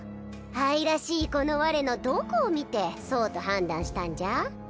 愛らしいこの我のどこを見てそうと判断したんじゃ？